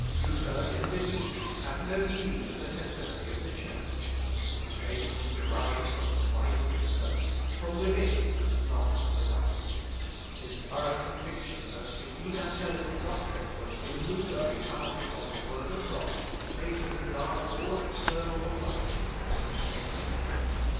Luther, in believing, had no need of the testimony of the Church. His faith was derived from the Bible itself; from within, and not from without. His thorough conviction that the evangelical doctrine was immovably founded on the word of God made him regard all external authority as useless.